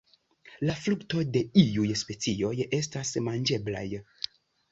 La frukto de iuj specioj estas manĝeblaj.